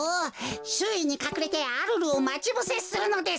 しゅういにかくれてアルルをまちぶせするのです。